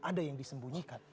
ada yang disembunyikan